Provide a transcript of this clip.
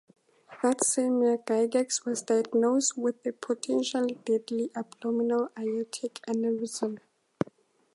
That same year, Gygax was diagnosed with a potentially deadly abdominal aortic aneurysm.